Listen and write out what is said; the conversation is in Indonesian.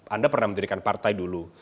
anda pernah mendirikan partai dulu